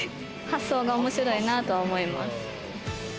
発想が面白いなと思います。